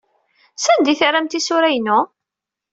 Sanda ay terram tisura-inu?